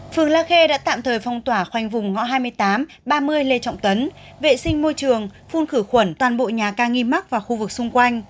phường la khê đã tạm thời phong tỏa khoanh vùng ngõ hai mươi tám ba mươi lê trọng tấn vệ sinh môi trường phun khử khuẩn toàn bộ nhà ca nghi mắc và khu vực xung quanh